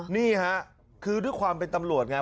นี่ฮะคือด้วยความเป็นตำรวจไง